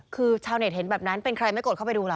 คือชาวเน็ตเห็นแบบนั้นเป็นใครไม่กดเข้าไปดูล่ะ